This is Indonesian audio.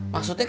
mas suha jahat